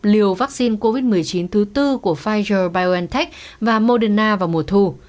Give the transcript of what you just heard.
liều vaccine covid một mươi chín thứ tư của pfizer biontech và moderna vào mùa thu